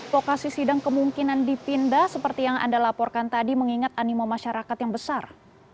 lokasi sidang kemungkinan dipindah seperti yang anda laporkan tadi mengingat animo masyarakat yang besar